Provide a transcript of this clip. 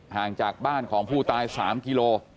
ห่างจากบ้านของผู้ตาย๓กิโล